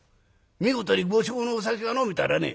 見事に５升のお酒を飲めたらね